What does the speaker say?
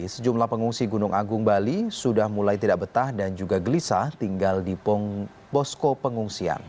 sejumlah pengungsi gunung agung bali sudah mulai tidak betah dan juga gelisah tinggal di posko pengungsian